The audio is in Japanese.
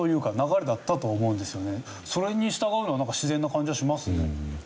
それに従うのは自然な感じはしますね。